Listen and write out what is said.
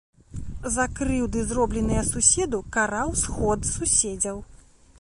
За крыўды, зробленыя суседу, караў сход суседзяў.